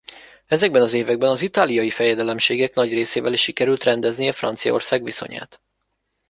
Ezekben az években az itáliai fejedelemségek nagy részével is sikerült rendeznie Franciaország viszonyát.